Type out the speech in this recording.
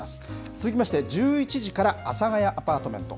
続きまして１１時から阿佐ヶ谷アパートメント。